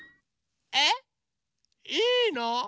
えっいいの？